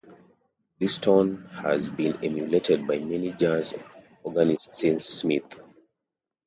This tone has been emulated by many jazz organists since Smith.